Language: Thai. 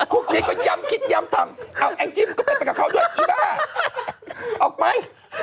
พวกนี้ก็ย้ำคิดย้ำทำเอาแองจิ้มก็เป็นไปกับเขาด้วยอีบ้าออกไหม